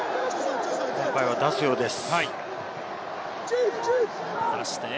今回は出すようです。